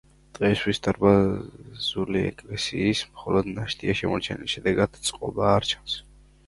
დღეისთვის დარბაზული ეკლესიის მხოლოდ ნაშთია შემორჩენილი, შედეგად წყობა არ ჩანს.